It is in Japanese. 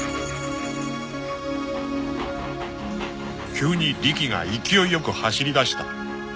［急にリキが勢いよく走りだした］